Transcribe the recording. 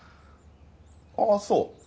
ああそう。